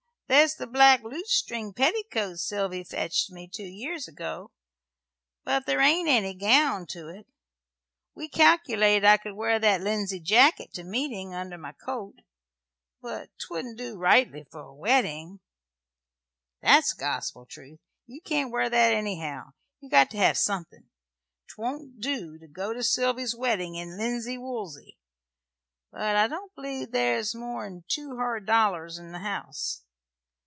There's the black lutestring petticoat Sylvy fetched me two years ago; but there ain't any gown to it. We calculated I could wear that linsey jacket to meeting, under my coat; but 'twouldn't do rightly for a weddin'." "That's gospel truth. You can't wear that, anyhow. You've got to hev somethin'. 'Twon't do to go to Sylvy's weddin' in linsey woolsy; but I don't believe there's more'n two hard dollars in the house.